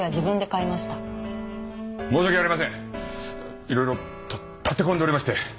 いろいろ立て込んでおりまして。